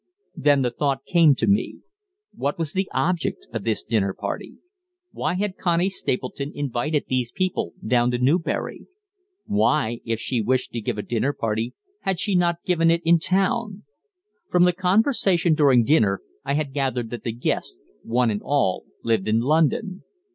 Then the thought came to me, What was the object of this dinner party? Why had Connie Stapleton invited these people down to Newbury? Why, if she wished to give a dinner party, had she not given it in town? From the conversation during dinner I had gathered that the guests, one and all, lived in London.